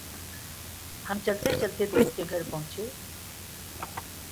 ہم چلتے چلتے دوست کے گھر پہنچے ۔